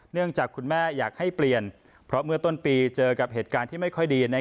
จากคุณแม่อยากให้เปลี่ยนเพราะเมื่อต้นปีเจอกับเหตุการณ์ที่ไม่ค่อยดี